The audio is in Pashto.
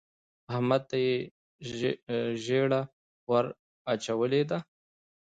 احمد ته يې ژیړه ور واړولې ده.